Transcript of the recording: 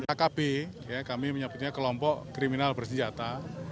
akb kami menyebutnya kelompok kriminal bersenjata